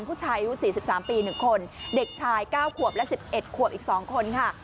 ผู้ชายอายุ๔๓ปี๑คนเด็กชาย๙ขวบและ๑๑ขวบอีก๒คนค่ะ